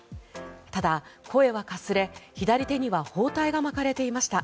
ただ、声はかすれ左手には包帯が巻かれていました。